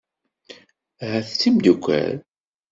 Ahat d timeddukal.